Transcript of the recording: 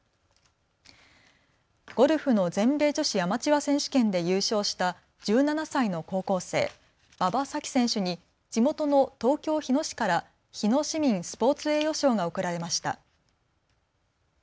ゴルフの全米女子アマチュア選手権で優勝した１７歳の高校生、馬場咲希選手に地元の東京日野市から日野市民スポーツ栄誉賞が贈られました。